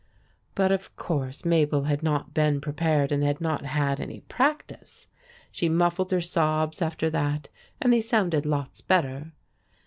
But of course Mabel had not been prepared and had not had any practice. She muffled her sobs after that, and they sounded lots better.